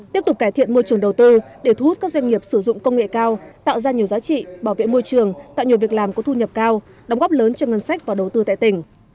tiếp tục cải thiện môi trường đầu tư để thu hút các doanh nghiệp sử dụng công nghệ cao tạo ra nhiều giá trị bảo vệ môi trường tạo nhiều việc làm có thu nhập cao đóng góp lớn cho ngân sách và đầu tư tại tỉnh